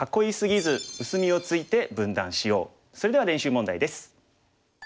それでは練習問題です。